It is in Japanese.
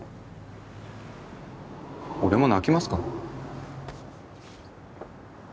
俺も泣きますから。